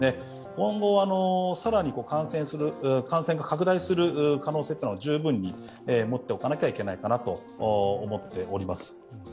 今後は感染が拡大する可能性は十分に持っておかなきゃいけないと思っております。